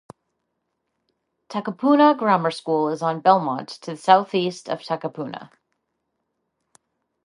Takapuna Grammar School is in Belmont, to the southeast of Takapuna.